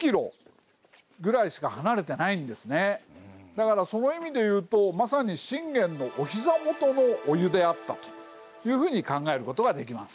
だからその意味でいうとまさに信玄のお膝元のお湯であったというふうに考えることができます。